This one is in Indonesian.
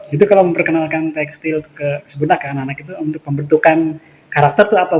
itu kalau memperkenalkan tekstil sebenarnya kan anak anak itu untuk pembentukan karakter itu apa